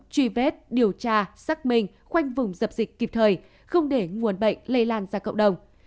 truy vết điều tra xác minh khoanh vùng dập dịch kịp thời không để nguồn bệnh lây lan ra cộng đồng